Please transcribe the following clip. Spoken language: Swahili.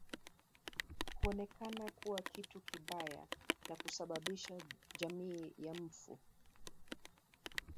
Huonekana kuwa kitu kibaya na kusababisha jamii ya mfu